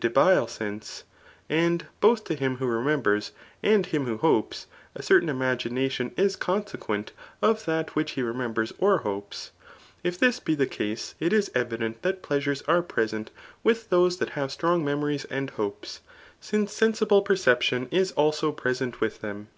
dd>ile sense; and both to him who rememb^s and Imn who hopes, a certain imagination is consequcBt of that vihkh he remembers or hopes ;^ this be the case, it is evident that pleasures are present with tllose that have strong memories and hopes, since sensible per ception is also present with them.